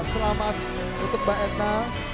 selamat untuk mbak edna